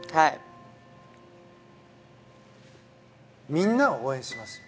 みんなが応援しますよ。